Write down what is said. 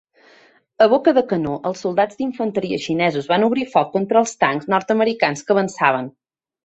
A boca de canó, els soldats d'infanteria xinesos van obrir foc contra els tancs nord-americans que avançaven.